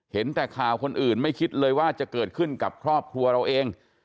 เห็นแต่ข่าวคนอื่นไม่คิดเลยว่าจะเกิดขึ้นกับครอบครัวเราเอง